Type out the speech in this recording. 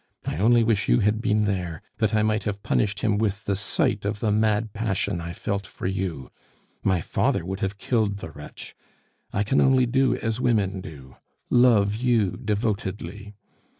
I only wish you had been there, that I might have punished him with the sight of the mad passion I felt for you. My father would have killed the wretch; I can only do as women do love you devotedly!